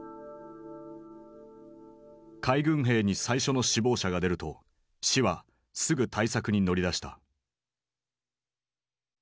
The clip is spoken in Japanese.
海軍兵に最初の死亡者が出ると市はすぐ対策に乗り出した。